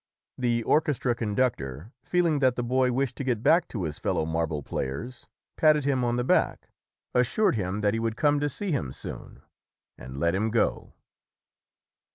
The orchestra conductor, feeling that the boy wished to get back to his fellow marble play ers, patted him on the back, assured him that he would come to see him soon and let him go.